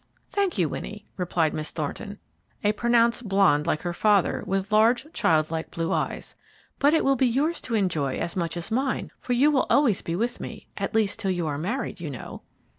"Thank you, Winnie," replied Miss Thornton, a pronounced blonde like her father, with large, childlike blue eyes; "but it will be yours to enjoy as much as mine, for you will always be with me; at least, till you are married, you know."